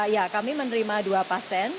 ya kami menerima dua pasien